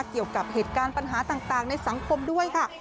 เกี่ยวกับเหตุการณ์ปัญหาต่างในสังคมด้วยค่ะ